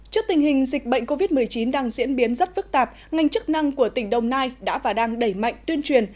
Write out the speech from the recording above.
trước tình hình dịch bệnh covid một mươi chín đang diễn biến rất phức tạp ngành chức năng của tỉnh đồng nai đã và đang đẩy mạnh tuyên truyền